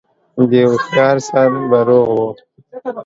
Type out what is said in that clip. د هوښيار سر به روغ و